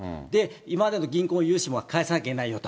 今までの銀行融資も返さなきゃいけないよと。